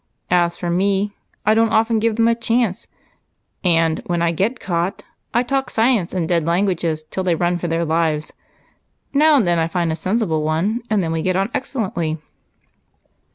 As for me, I don't often give them a chance, and when I get caught I talk science and dead languages till they run for their lives. Now and then I find a sensible one, and then we get on excellently."